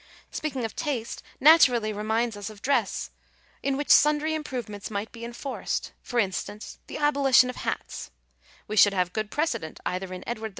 Speaking of taste naturally reminds us of dress, in which sundry improvements might be enforced; for instance — the abolition of hats : we should have good precedent either in Edward IV.